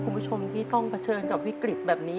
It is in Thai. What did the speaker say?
คุณผู้ชมที่ต้องเผชิญกับวิกฤตแบบนี้